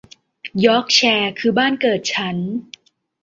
ยอร์คแชร์คือบ้านเกิดฉัน